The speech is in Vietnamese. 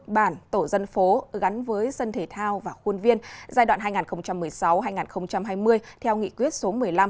bản tổ dân phố gắn với sân thể thao và khuôn viên giai đoạn hai nghìn một mươi sáu hai nghìn hai mươi theo nghị quyết số một mươi năm